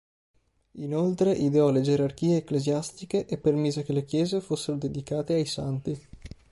Inoltre ideò le gerarchie ecclesiastiche e permise che le chiese fossero dedicate ai santi.